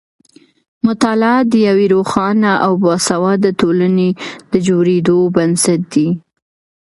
مطالعه د یوې روښانه او باسواده ټولنې د جوړېدو بنسټ دی.